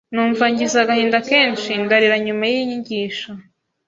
numva ngize agahinda kenshi ndarira nyuma y’iyi nyigisho,